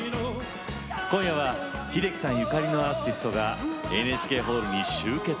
今夜は秀樹さんゆかりのアーティストがＮＨＫホールに集結。